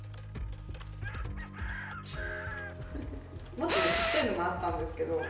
もっとねちっちゃいのもあったんですけど。